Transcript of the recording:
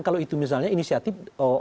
kalau itu misalnya inisiatif